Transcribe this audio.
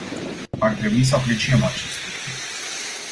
Ar trebui să apreciem acest lucru.